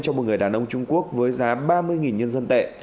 cho một người đàn ông trung quốc với giá ba mươi nhân dân tệ